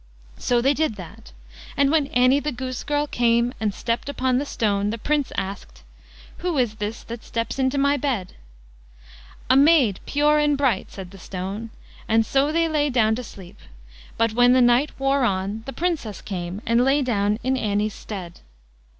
So they did that, and when Annie the goose girl came and stepped upon the stone the Prince asked: "Who is this that steps into my bed?" "A maid pure and bright", said the stone, and so they lay down to sleep; but when the night wore on the Princess came and lay down in Annie's stead.